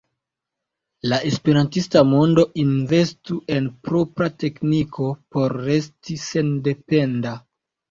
La esperantista mondo investu en propra tekniko por resti sendependa.